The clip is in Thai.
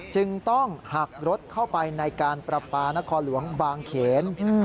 จึงต้องหักรถเข้าไปในการประปานครหลวงบางเขน